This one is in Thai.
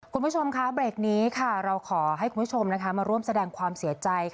คุณผู้ชมค่ะเบรกนี้ค่ะเราขอให้คุณผู้ชมมาร่วมแสดงความเสียใจ